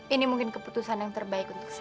ini mungkin keputusan yang terbaik untuk saya